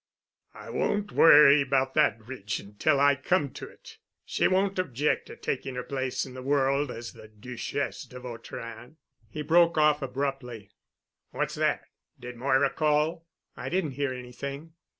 "I won't worry about that bridge until I come to it. She won't object to taking her place in the world as the Duchesse de Vautrin——" He broke off abruptly. "What's that? Did Moira call?" "I didn't hear anything."